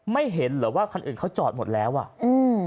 ไม่เห็นเหรอว่าคันอื่นเขาจอดหมดแล้วอ่ะอืม